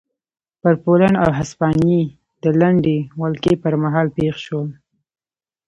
پر پولنډ او هسپانیا د لنډې ولکې پرمهال پېښ شول.